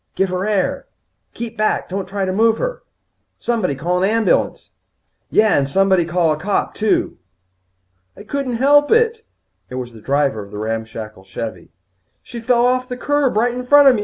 "Give her air!" "Keep back. Don't try to move her." "Somebody call an ambulance." "Yeah, and somebody call a cop, too." "I couldn't help it." It was the driver of the ramshackle Chevvie. "She fell off the curb right in front of me.